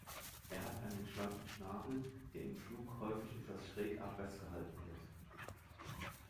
Er hat einen schlanken Schnabel, der im Flug häufig etwas schräg abwärts gehalten wird.